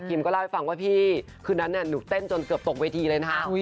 ก็เล่าให้ฟังว่าพี่คืนนั้นหนูเต้นจนเกือบตกเวทีเลยนะคะ